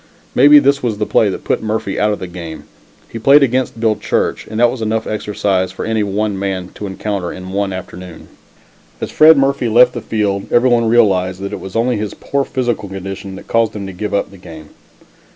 Maybe this was the play that put Murphy out of the game. He played against Bill Church, and that was enough exercise for any one man to encounter in one afternoon. As Fred Murphy left the field everyone realized that it was only his poor physical condition that caused him to give up the game.